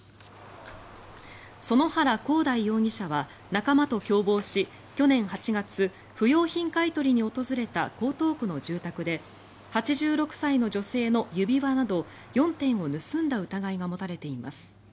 園原広大容疑者は仲間と共謀し去年８月不用品買い取りに訪れた江東区の住宅で８６歳の女性の指輪など４点を盗んだ疑いが持たれています。